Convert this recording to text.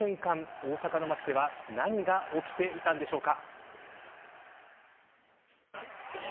大阪の街では何が起きていたのでしょうか。